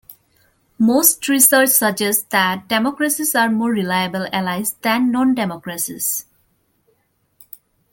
Most research suggests that democracies are more reliable allies than non-democracies.